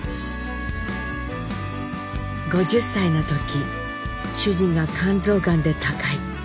「５０才の時主人が肝臓癌で他界。